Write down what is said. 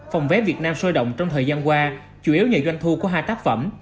phòng vé việt nam sôi động trong thời gian qua chủ yếu nhờ doanh thu của hai tác phẩm